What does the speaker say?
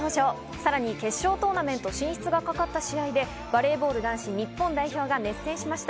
さらに決勝トーナメント進出がかかった試合でバレーボール日本男子代表が熱戦しました。